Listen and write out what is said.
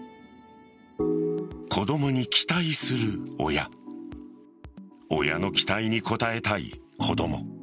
子供に期待する親親の期待に応えたい子供。